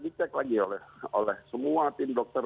di check lagi oleh semua tim dokter